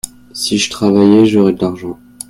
si je travaillais, j'aurais de l'argent.